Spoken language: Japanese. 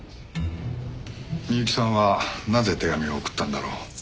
美雪さんはなぜ手紙を送ったんだろう？